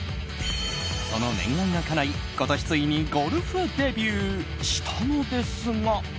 その念願がかない今年、ついにゴルフデビューしたのですが。